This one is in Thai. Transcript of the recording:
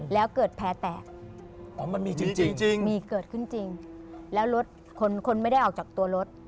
แล้วเกิดแพ้แตกอ๋อมันมีจริงมีเกิดขึ้นจริงแล้วรถคนคนไม่ได้ออกจากตัวรถ